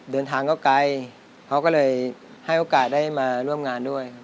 เดินทางก็ไกลเขาก็เลยให้โอกาสได้มาร่วมงานด้วย